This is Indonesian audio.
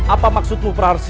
apa maksudmu praharsini